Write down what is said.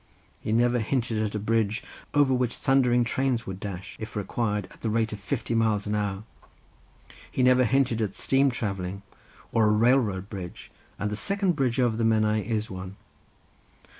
He never hinted at a bridge over which thundering trains would dash, if required, at the rate of fifty miles an hour; he never hinted at steam travelling, or a railroad bridge, and the second bridge over the Menai is one.